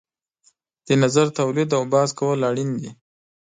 د نظر تولید او بحث کول اړین دي.